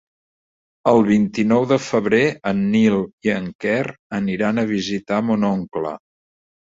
El vint-i-nou de febrer en Nil i en Quer aniran a visitar mon oncle.